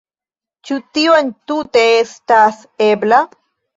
Ĉu tio entute estas ebla?